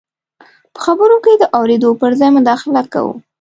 په خبرو کې د اورېدو پر ځای مداخله کوو.